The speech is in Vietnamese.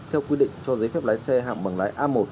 theo quy định cho giấy phép lái xe hạng bằng lái a một